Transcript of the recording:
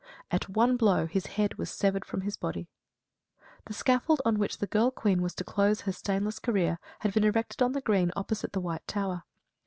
At one blow his head was severed from his body. The scaffold on which the girl queen was to close her stainless career had been erected on the green opposite the White Tower.